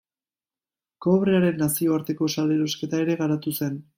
Kobrearen nazioarteko salerosketa ere garatu zen.